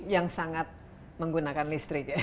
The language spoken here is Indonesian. yang sangat menggunakan listrik ya